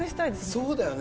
そうだよね。